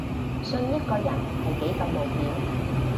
信一個人係幾咁冒險